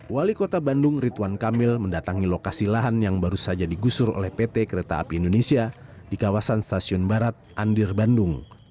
wali kota bandung ridwan kamil mendatangi lokasi lahan yang baru saja digusur oleh pt kereta api indonesia di kawasan stasiun barat andir bandung